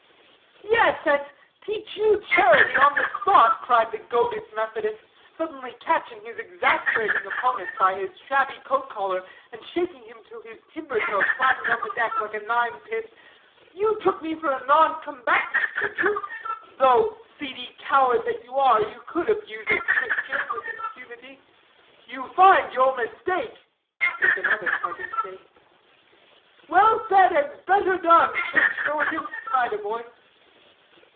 "Yea, and teach you charity on the spot," cried the goaded Methodist, suddenly catching this exasperating opponent by his shabby coat collar, and shaking him till his timber toe clattered on the deck like a nine pin. "You took me for a non combatant did you? thought, seedy coward that you are, that you could abuse a Christian with impunity. You find your mistake" with another hearty shake. "Well said and better done, church militant!" cried a voice.